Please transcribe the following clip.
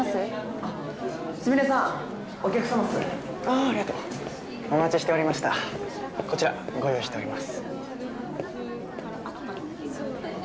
ありがとうお待ちしておりましたこちらご用意しております